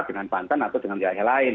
dengan banten atau dengan wilayah lain